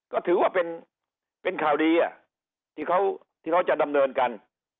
ก็ถือว่าเป็นข่าวดีที่เขาจะดำเนินกัน